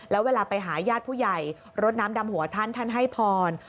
แล้วเวลาไปหาญาติผู้ใหญ่รดน้ำดำหัวท่านท่านให้พร